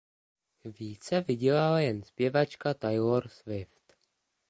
Více vydělala jen zpěvačka Taylor Swift.